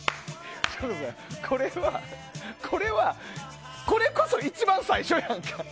これはこれこそ一番最初やんか。